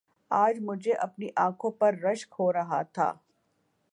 آج مجھے اپنی انکھوں پر رشک ہو رہا تھا